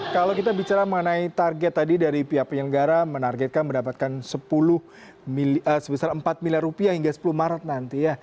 kalau kita bicara mengenai target tadi dari pihak penyelenggara menargetkan mendapatkan sebesar empat miliar rupiah hingga sepuluh maret nanti ya